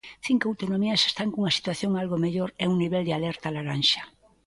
Cinco autonomías están cunha situación algo mellor e un nivel de alerta laranxa.